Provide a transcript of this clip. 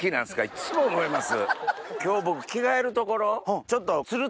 いっつも思います。